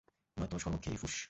নয়তো শরবত খেয়েই ফুস।